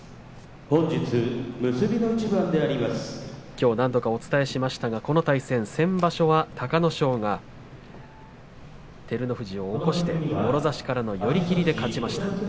きょう何度かお伝えしましたが、先場所は隆の勝が照ノ富士を起こしてもろ差しからの寄り切りで勝っています。